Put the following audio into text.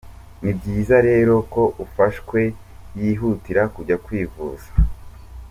Ni byiza rero ko ufashwe yihutira kujya kwivuza.